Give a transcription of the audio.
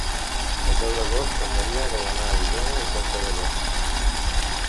El deu d'agost en Maria vol anar a Isona i Conca Dellà.